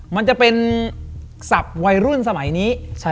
มันจะเป็นศัพท์วัยรุ่นสมัยนี้